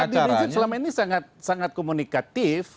abib rizik selama ini sangat komunikatif